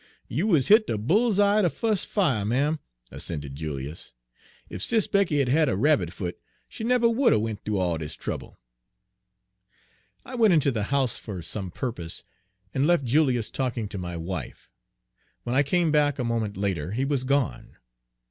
"You is hit de bull's eye de fus' fire, ma'm," assented Julius. "Ef Sis' Becky had had a rabbit foot, she nebber would 'a' went th'oo all dis trouble." I went into the house for some purpose, and left Julius talking to my wife. When I came back a moment later, he was gone.